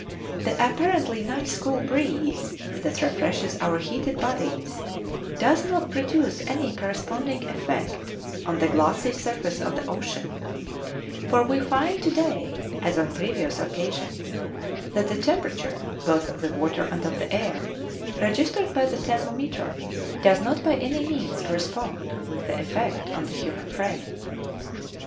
The apparently nice cool breeze that refreshes our heated bodies does not produce any corresponding effect on the glassy surface of the ocean; for we find to day, as on previous occasions, that the temperature, both of the water and of the air, registered by the thermometer, does not by any means correspond with the effect on the human frame.